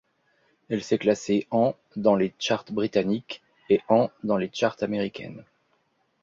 Elle s'est classée en dans les charts britanniques, et en dans les charts américaines.